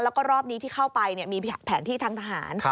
แล้วก็รอบนี้ที่เข้าไปมีแผนที่ทางทหาร